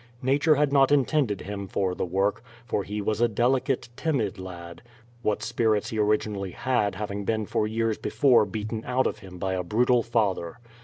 Nature had not intended him for the work, for he was a delicate, timid lad; what spirits he originally had having been years before beaten out of him by a brutal father.